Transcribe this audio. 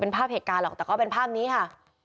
แต่ก็เป็นภาพนี้ค่ะ